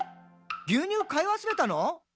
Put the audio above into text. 牛乳買い忘れたの？」